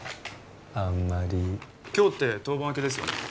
あんまり今日って当番明けですよね